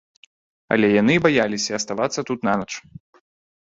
Але яны баяліся аставацца тут нанач.